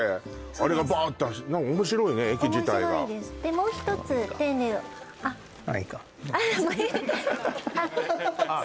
あれがバーッて走って面白いね駅自体が面白いですでもう一つもういいかあっあっ